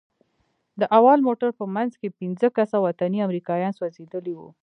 د اول موټر په منځ کښې پنځه کسه وطني امريکايان سوځېدلي وو.